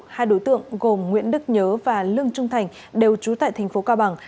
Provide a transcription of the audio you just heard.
hai đối tượng gồm nguyễn đức nhớ và lương trung thành đều trú tại tp cao bằng